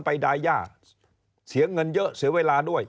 ดายาเสียเงินเยอะเสียเวลาด้วย